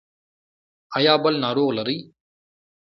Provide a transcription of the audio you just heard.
ایا بل ناروغ لرئ؟